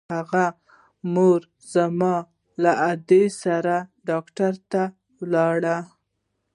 د هغه مور زما له ادې سره ډاکتر ته ولاړه.